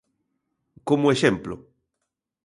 Como exemplo.